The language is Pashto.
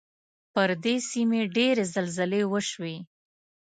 پر دې سیمې ډېرې زلزلې وشوې.